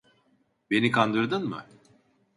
Beni kandırdın mı?